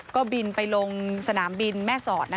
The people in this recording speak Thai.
ก็บินไปลงสนามบินแม่สอด